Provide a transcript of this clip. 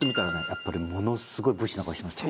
やっぱりものすごい武士の顔してました。